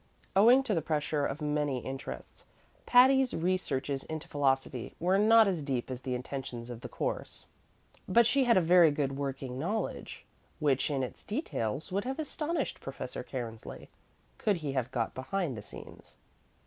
Owing to the pressure of many interests, Patty's researches into philosophy were not as deep as the intentions of the course, but she had a very good working knowledge, which, in its details, would have astonished Professor Cairnsley could he have got behind the scenes.